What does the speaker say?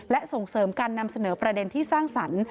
และส่งเสริมการนำเสนอประเด็นที่สร้างสรรค์